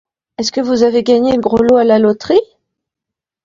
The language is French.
Est-ce que vous avez gagné le gros lot à la loterie ?